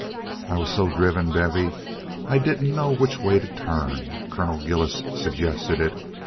"I was so driven, Bevy, I didn't know which way to turn. Colonel Gillis suggested it.